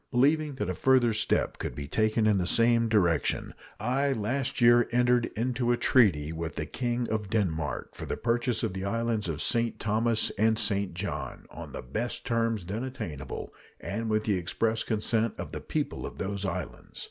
Believing that a further step could be taken in the same direction, I last year entered into a treaty with the King of Denmark for the purchase of the islands of St. Thomas and St. John, on the best terms then attainable, and with the express consent of the people of those islands.